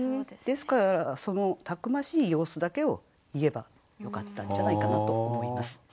ですからそのたくましい様子だけを言えばよかったんじゃないかなと思います。